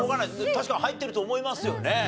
確かに入ってると思いますよね。